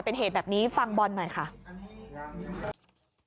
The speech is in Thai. พื้นมันพังนะครับ